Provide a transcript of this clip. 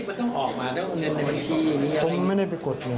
ผมไม่ได้ไปกดเงิน